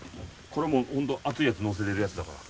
これもう熱いやつのせられるやつだから。